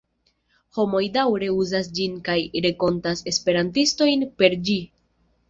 Homoj daŭre uzas ĝin kaj renkontas esperantistojn per ĝi.